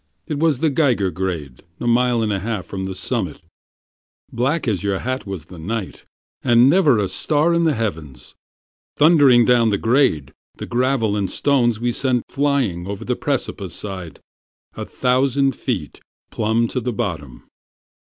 It was the Geiger Grade, a mile and a half from the summit: Black as your hat was the night, and never a star in the heavens. Thundering down the grade, the gravel and stones we sent flying Over the precipice side, a thousand feet plumb to the bottom.